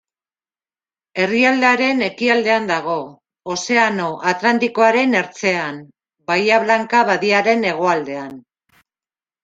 Herrialdearen ekialdean dago, Ozeano Atlantikoaren ertzean, Bahia Blanca badiaren hegoaldean.